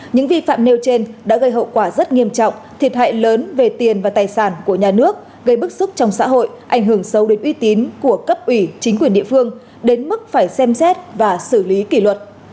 những vi phạm nêu trên đã gây hậu quả rất nghiêm trọng thiệt hại lớn về tiền và tài sản của nhà nước gây bức xúc trong xã hội ảnh hưởng sâu đến uy tín của cấp ủy chính quyền địa phương đến mức phải xem xét và xử lý kỷ luật